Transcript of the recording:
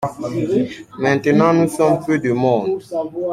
Maintenant nous somme peu de monde.